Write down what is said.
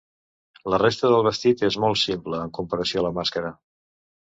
La resta del vestit és molt simple en comparació a la màscara.